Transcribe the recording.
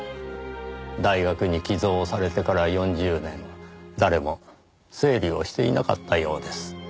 大学に寄贈されてから４０年誰も整理をしていなかったようです。